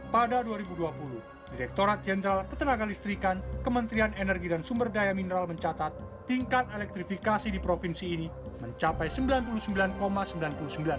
pada dua ribu dua puluh direkturat jenderal ketenaga listrikan kementerian energi dan sumber daya mineral mencatat tingkat elektrifikasi di provinsi ini mencapai rp sembilan puluh sembilan sembilan puluh sembilan persen